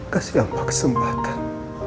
kasih abba kesempatan